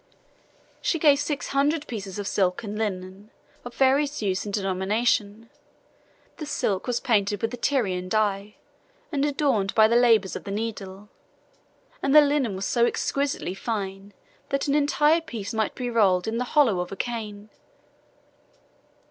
She gave six hundred pieces of silk and linen, of various use and denomination: the silk was painted with the Tyrian dye, and adorned by the labors of the needle; and the linen was so exquisitely fine, that an entire piece might be rolled in the hollow of a cane.